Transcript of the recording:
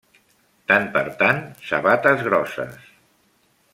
Tant per tant, sabates grosses.